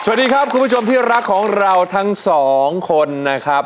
สวัสดีครับคุณผู้ชมที่รักของเราทั้งสองคนนะครับ